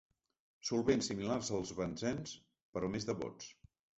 Solvents similars als benzens, però més devots.